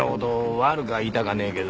悪くは言いたかねえけど。